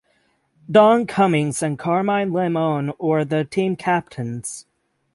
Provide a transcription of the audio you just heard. Don Cummings and Carmine Limone were the team captains.